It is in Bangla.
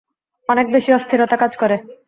অনেক বেশি অস্থিরতা কাজ করে।